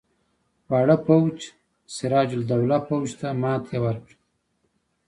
واړه پوځ سراج الدوله پوځ ته ماته ورکړه.